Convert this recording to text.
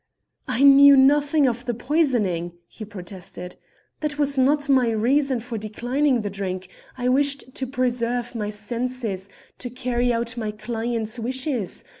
"I knew nothing of the poisoning," he protested. "That was not my reason for declining the drink. I wished to preserve my senses to carry out my client's wishes.